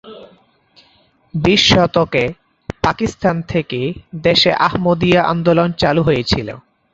বিশ শতকে, পাকিস্তান থেকে দেশে আহমদিয়া আন্দোলন চালু হয়েছিল।